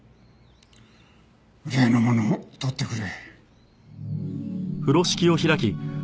例のものを取ってくれ。